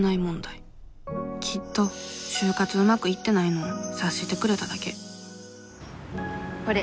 きっと就活うまくいってないのを察してくれただけこれ。